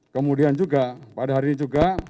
kemudian juga pada hari ini juga